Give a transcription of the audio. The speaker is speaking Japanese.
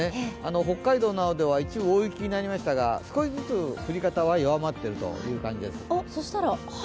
北海道では大雪になりましたが少しずつ降り方は弱まっているという感じです。